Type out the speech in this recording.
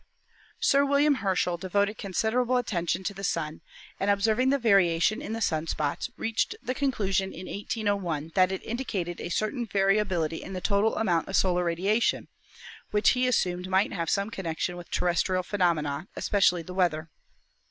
Sir William Herschel devoted considerable attention to the Sun, and observing the variation in the sun spots, reached the conclusion in 1801 that it indicated a certain variability in the total amount of solar radiation, which he assumed might have some connection with terrestrial phe nomena, especially the weather.